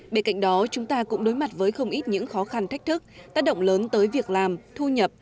bên cạnh đó chúng ta cũng đối mặt với không ít những khó khăn thách thức tác động lớn tới việc làm thu nhập